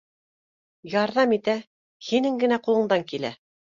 Ярҙам ит, ә? һинең генә ҡулыңдан килә